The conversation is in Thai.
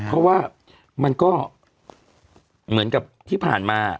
ผมก็เหมือนกับที่ผ่านมา